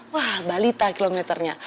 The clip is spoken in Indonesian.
wah balita kilometernya